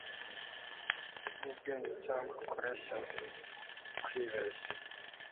nkubwenge cyangwa kureshya, kwibeshya